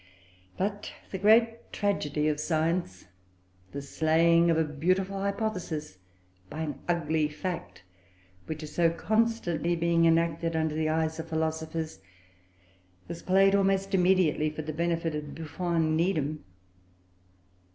But the great tragedy of Science the slaying of a beautiful hypothesis by an ugly fact which is so constantly being enacted under the eyes of philosophers, was played, almost immediately, for the benefit of Buffon and Needham.